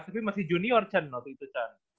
tapi masih junior cen waktu itu cen